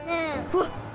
わっ！